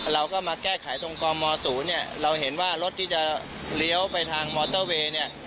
เราก็มาแก้ไขตรงกมศูนย์เนี่ยเราเห็นว่ารถที่จะเลี้ยวไปทางมอเตอร์เวย์เนี่ย